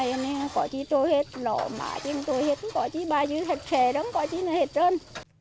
có gì trôi hết lỏ má chứ trôi hết có gì bà chứ thật khề đó có gì hết trơn